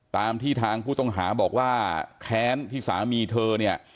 ตามที่ทางผู้ต้องหาบอกว่าแค้นที่สามีเธอเนี่ย